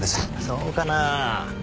そうかなぁ